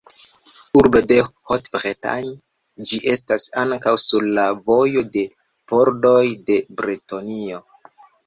Urbo de Haute-Bretagne, ĝi estas ankaŭ sur la vojo de pordoj de Bretonio.